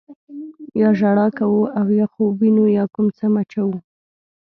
یا ژړا کوو او یا خوب وینو یا کوم څه مچوو.